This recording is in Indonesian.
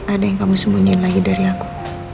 ada yang kamu sembunyiin lagi dari aku